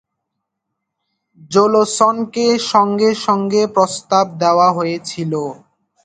জোলসনকে সঙ্গে সঙ্গে প্রস্তাব দেওয়া হয়েছিল।